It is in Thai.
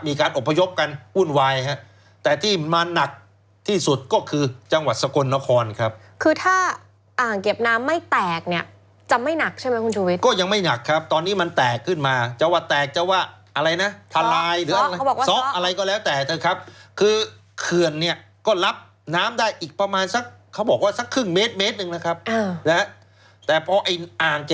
มีการอพยพกันอุ่นไหวแต่ที่มาหนักที่สุดก็คือจังหวัดสกลนคร